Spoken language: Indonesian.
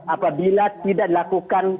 apabila tidak dilakukan